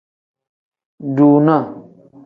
Dunaa.